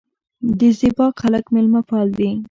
د زیباک خلک میلمه پال دي